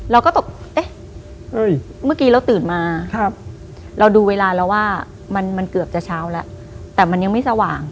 เราก็ตกเอ๊ะเมื่อกี้เราตื่นมาเราดูเวลาแล้วว่ามันเกือบจะเช้าแล้วแต่มันยังไม่สว่าง